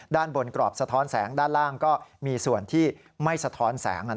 ด้านบนกรอบสะท้อนแสงด้านล่างก็มีส่วนที่ไม่สะท้อนแสง